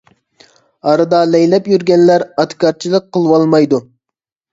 ئارىدا لەيلەپ يۈرگەنلەر ئاتىكارچىلىق قىلىۋالمايدۇ.